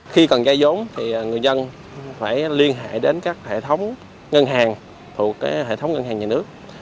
khi cần dây giống thì người dân phải liên hệ đến các hệ thống ngân hàng thuộc hệ thống ngân hàng nhà nước